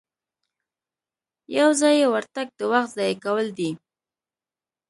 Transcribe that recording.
یو ځایي ورتګ د وخت ضایع کول دي.